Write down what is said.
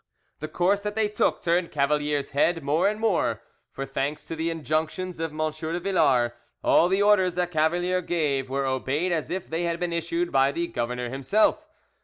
The course that they took turned Cavalier's head more and more; for thanks to the injunctions of M. de Villars, all the orders that Cavalier gave were obeyed as if they had been issued by the governor himself.